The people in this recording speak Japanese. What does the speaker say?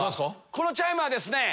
このチャイムはですね